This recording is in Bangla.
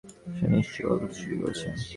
সে নিশ্চয়ই গল্পটা চুরি করেছে।